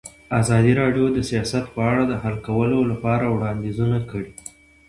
ازادي راډیو د سیاست په اړه د حل کولو لپاره وړاندیزونه کړي.